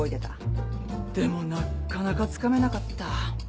でもなかなかつかめなかった。